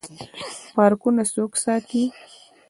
پارکونه څوک ساتي؟